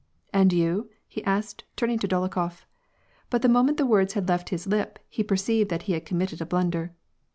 ^ And you ?" he asked turning to Dolokhof. But the mo ment the words had left his lip, he perceived that he had committed a blunder.